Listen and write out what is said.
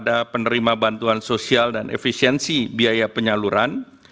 dan penerima bantuan sosial adalah penerima bantuan sosial yang diperoleh oleh pemerintah